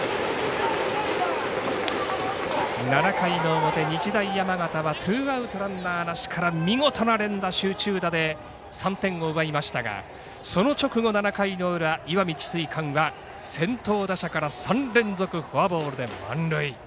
７回の表、日大山形はツーアウト、ランナーなしから見事な連打、集中打で３点を奪いましたがその直後、７回の裏石見智翠館は先頭打者から３連続フォアボールで満塁。